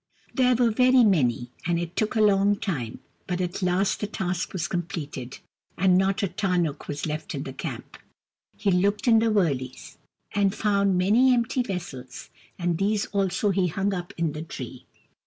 There were very many, and it took a long time, but at last the task was completed, and not a tarnuk was left in the camp. He looked in the wurleys, and found many empty vessels, and these also he hung up in the tree.